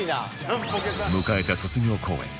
迎えた卒業公演